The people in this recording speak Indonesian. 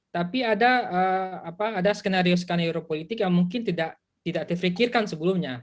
tapi ada apa ada skenario skenario politik yang mungkin tidak tidak difikirkan sebelumnya